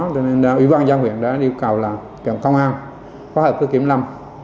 cho nên là ủy ban giang huyện đã yêu cầu là kiểm công an phá hợp phương kiểm lâm